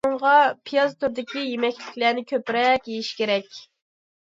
بۇنىڭغا پىياز تۈرىدىكى يېمەكلىكلەرنى كۆپرەك يېيىش كېرەك.